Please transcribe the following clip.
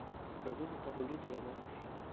l'oiseau s'est envolé de la branche.